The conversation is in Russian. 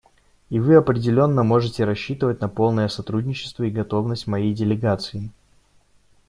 И вы определенно можете рассчитывать на полное сотрудничество и готовность моей делегации.